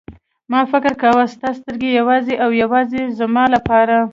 ما فکر کاوه ستا سترګې یوازې او یوازې زما لپاره.